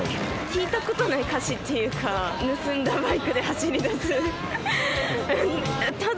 聴いたことない歌詞っていうか、盗んだバイクで走り出す。